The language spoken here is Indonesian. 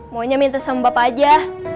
maunya minta sama bapak aja